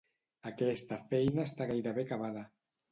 Aquesta feina està gairebé acabada.